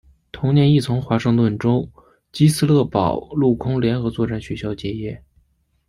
同年亦从华盛顿州基斯勒堡陆空联合作战学校结业。